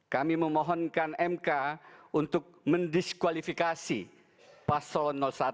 kami memohonkan mk untuk mendiskualifikasi pasol satu